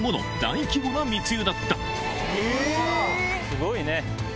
⁉すごいね。